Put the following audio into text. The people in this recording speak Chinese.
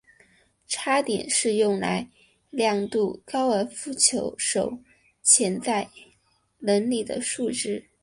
差点是用来量度高尔夫球手潜在能力的数值。